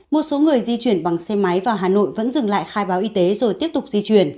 một số người di chuyển bằng xe máy vào hà nội vẫn dừng lại khai báo y tế rồi tiếp tục di chuyển